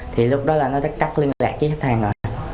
thì lúc đó là nó đã cắt liên lạc với khách hàng rồi